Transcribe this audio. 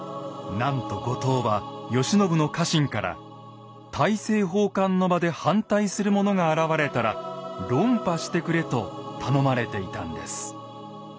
なんと後藤は慶喜の家臣から大政奉還の場で反対する者が現れたら論破してくれと頼まれていたんです。